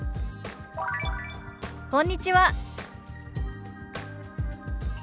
「こんにちは」。